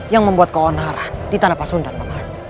yang membuat keonara di tanah pasundan paman